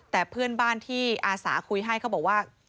แต่เพื่อนบ้านที่อาสาคุยให้เขาบอกว่า